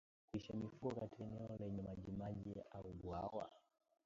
Kulisha mifugo katika eneo lenye majimaji au bwawa